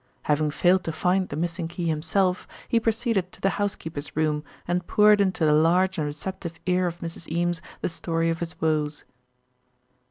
Having failed to find the missing key himself, he proceeded to the housekeeper's room, and poured into the large and receptive ear of Mrs. Eames the story of his woes.